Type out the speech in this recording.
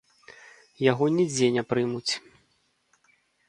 Яго нідзе не прымуць.